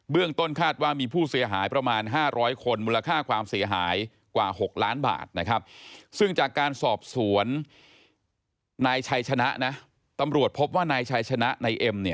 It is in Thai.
เบื้องต้นคาดว่ามีผู้เสียหายประมาณ๕๐๐คนมูลค่าความเสียหายกว่า๖ล้านบาทนะครับซึ่งจากการสอบสวนนายชัยชนะนะ